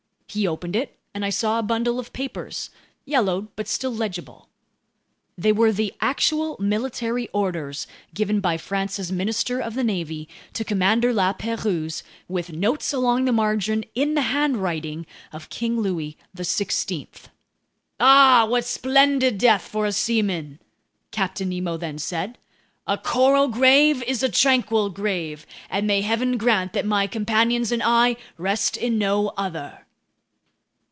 He opened it and I saw a bundle of papers, yellowed but still legible. They were the actual military orders given by France's Minister of the Navy to Commander La Pérouse, with notes along the margin in the handwriting of King Louis XVI! "Ah, what a splendid death for a seaman!" Captain Nemo then said. "A coral grave is a tranquil grave, and may Heaven grant that my companions and I rest in no other!"